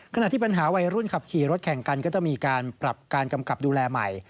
ขณะที่ปัญหาวัยรุ่นขับขี่รถแข่งกันก็จะมีการปรับการกำกับดูแลใหม่